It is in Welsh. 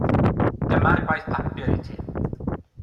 Dyma'r gwaith papur i ti.